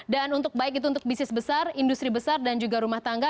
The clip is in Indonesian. dan untuk baik itu untuk bisnis besar industri besar dan juga rumah tangga